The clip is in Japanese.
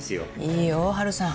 いいよ春さん。